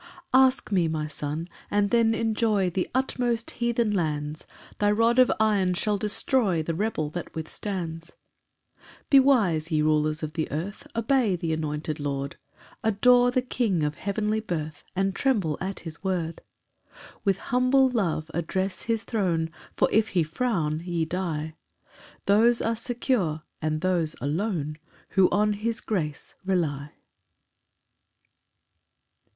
4 "Ask me, my Son, and then enjoy "The utmost heathen lands: "Thy rod of iron shall destroy "The rebel that withstands." 5 Be wise, ye rulers of the earth, Obey th' anointed Lord, Adore the king of heavenly birth, And tremble at his word. 6 With humble love address his throne, For if he frown ye die; Those are secure, and those alone, Who on his grace rely.